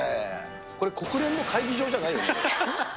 これ、国連の会議場じゃないよね？